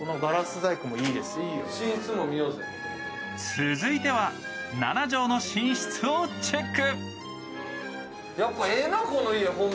続いては７畳の寝室をチェック。